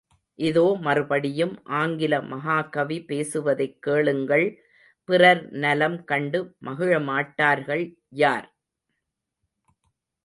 இதோ மறுபடியும் ஆங்கில மகாகவி பேசுவதைக் கேளுங்கள் பிறர் நலம் கண்டு மகிழமாட்டார்கள் யார்?